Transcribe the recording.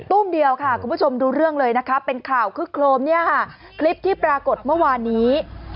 ตู้มเดียวค่ะคุณผู้ชมดูเรื่องเลยนะคะเป็นข่าวคึกโครมเนี่ยค่ะคลิปที่ปรากฏเมื่อวานนี้